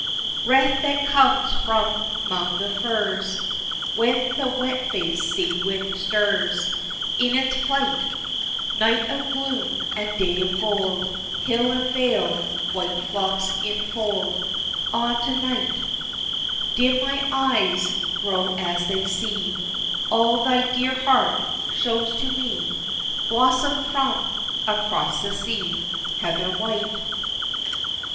Breath that comes from 'mong the firs, When the wet faced sea wind stirs In its flight, Night of gloom, and day of gold, Hill and vale, white flocks in fold, Ah, to night, Dim my eyes grow as they see All thy dear heart shows to me, Blossom from across the sea, Heather White!